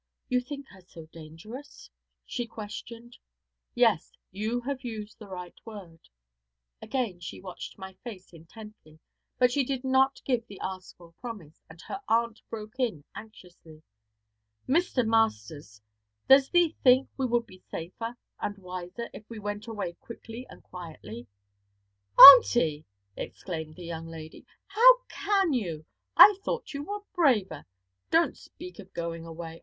'You think her so dangerous?' she questioned. 'Yes; you have used the right word.' Again she watched my face intently, but she did not give the asked for promise, and her aunt broke in anxiously. 'Mr. Masters, does thee think we would be safer, and wiser, if we went away quickly and quietly?' 'Auntie!' exclaimed the young lady, 'how can you! I thought you were braver. Don't speak of going away.